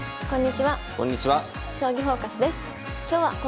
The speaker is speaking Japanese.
こんにちは。